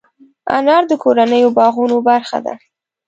انار د کورنیو باغونو برخه ده.